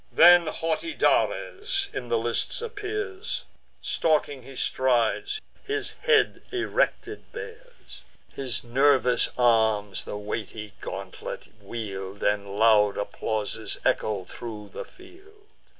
Then haughty Dares in the lists appears; Stalking he strides, his head erected bears: His nervous arms the weighty gauntlet wield, And loud applauses echo thro' the field.